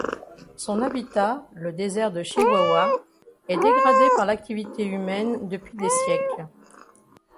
Son habitat, le désert de Chihuahua, est dégradé par l'activité humaine depuis des siècles.